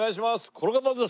この方です！